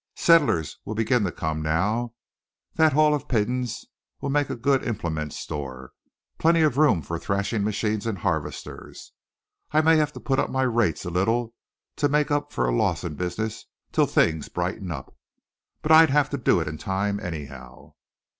Settlers'll begin to come now, that hall of Peden's'll make a good implement store, plenty of room for thrashin' machines and harvesters. I may have to put up my rates a little to make up for loss in business till things brighten up, but I'd have to do it in time, anyhow."